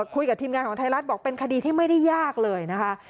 คุยกับทีมงานของไทยรัฐบอกเป็นคดีที่ไม่ได้ยากเลยนะคะ